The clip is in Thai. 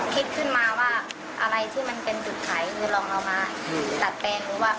คิดขึ้นมาว่าอะไรที่มันเป็นจุดขายคือลองเอามาดัดแปลงดูว่า